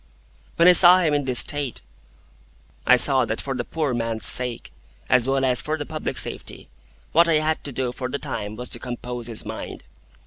When I saw him in this state, I saw that for the poor man's sake, as well as for the public safety, what I had to do for the time was to compose his mind.